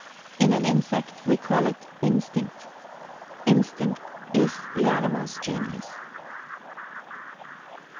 In an insect, we call it instinct. Instinct is the animal's genius.